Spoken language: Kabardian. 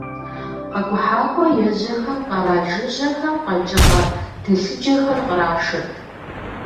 Къэкӏухьакӏуэ ежьэхэм къэрал жыжьэхэм къэкӏыгъэ телъыджэхэр кърашырт.